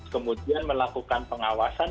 kemudian melakukan pengawasan